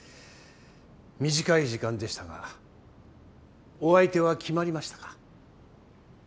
短い時間でしたがお相手は決まりましたか？